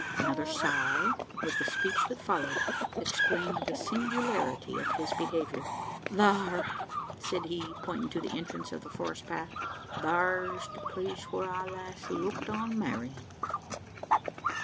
Another sigh, with the speech that followed, explained the singularity of his behaviour, "Thar!" said he, pointing to the entrance of the forest path "thar's the place whar I last looked on Marian!"